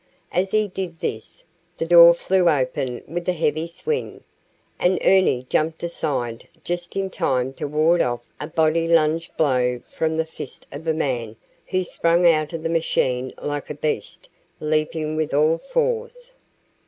As he did this, the door flew open with a heavy swing, and Ernie jumped aside just in time to ward off a body lunge blow from the fist of a man who sprang out of the machine like a beast leaping with all fours.